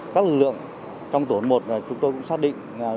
các lực lượng trong tổ hợp một là chúng tôi cũng xác định